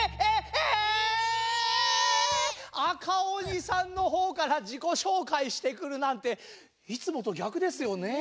え⁉赤鬼さんのほうからじこしょうかいしてくるなんていつもとぎゃくですよねえ？